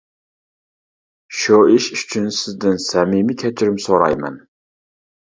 شۇ ئىش ئۈچۈن سىزدىن سەمىمىي كەچۈرۈم سورايمەن.